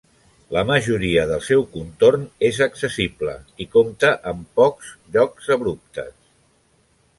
La majoria del seu contorn és accessible i compta amb pocs llocs abruptes.